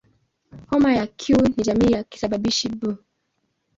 Homa ya Q ni jamii ya kisababishi "B".